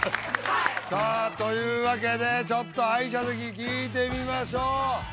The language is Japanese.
さあというわけでちょっと敗者席聞いてみましょう。